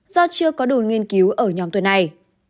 do chưa có đủ nghiên cứu ở nhóm tuần này